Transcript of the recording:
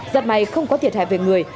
giật máy không có thiệt hại về người